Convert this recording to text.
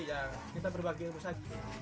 ya kita berbagi ilmu saja